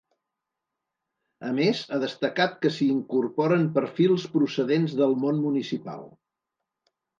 A més, ha destacat que s’hi incorporen perfils procedents del món municipal.